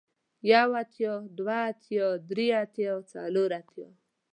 يو اتيا ، دوه اتيا ، دري اتيا ، څلور اتيا ،